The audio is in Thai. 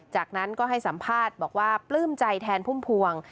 จากนั้นก็ให้สัมภาษณ์บอกว่าปลื้มใจแทนพุ่มพวง